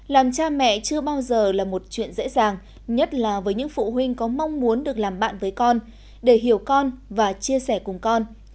làm cha mẹ chưa bao giờ là một chuyện dễ dàng nhất là với những phụ huynh có mong muốn được làm bạn với con để hiểu con và chia sẻ cùng con